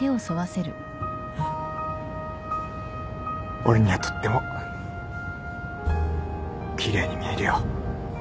俺にはとっても奇麗に見えるよ。